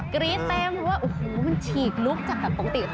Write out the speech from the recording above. กรี๊ดเต็มเพราะว่าโอ้โหมันฉีกลุกจากแบบปกติ